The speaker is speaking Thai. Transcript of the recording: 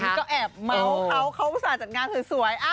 ก็แอบเมาส์เขาเขาอุตส่าห์จัดงานสวย